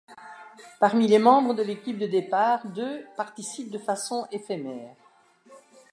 Parmi les membres de l'équipe de départ, deux participent de façon éphémère.